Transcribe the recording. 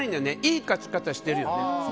いい勝ち方してるよね。